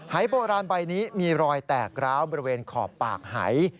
หายโบราณใบนี้มีรอยแตกร้าวบริเวณขอบปากหาย